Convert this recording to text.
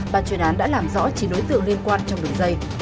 bà chuyên án đã làm rõ chỉ đối tượng liên quan trong đường dây